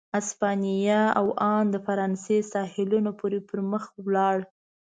اسپانیا او ان د فرانسې ساحلونو پورې پر مخ ولاړ.